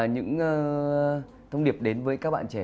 những thông điệp đến với các bạn trẻ